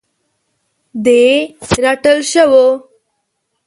د رټل شوو